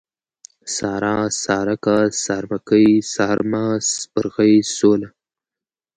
سارا ، سارکه ، سارمکۍ ، سارمه ، سپرغۍ ، سوله